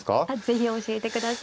是非教えてください。